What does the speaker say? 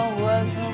gak usah pak